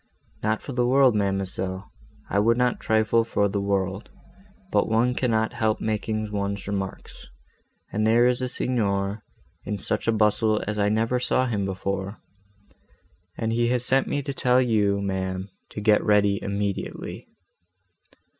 "Not for the world, ma'amselle, I would not trifle for the world; but one cannot help making one's remarks, and there is the Signor in such a bustle, as I never saw him before; and he has sent me to tell you, ma'am, to get ready immediately."